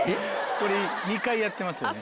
これ２回やってますよね。